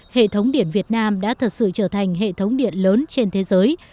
hệ thống điện việt nam đã thật sự trở thành hệ thống điện lớn trên thế giới